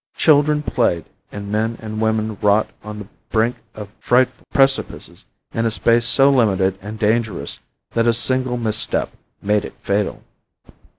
Children played and men and women wrought on the brink of frightful precipices in a space so limited and dangerous that a single misstep made it fatal.